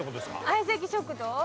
『相席食堂』。